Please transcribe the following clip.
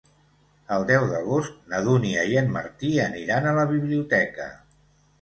El deu d'agost na Dúnia i en Martí aniran a la biblioteca.